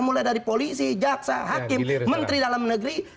mulai dari polisi jaksa hakim menteri dalam negeri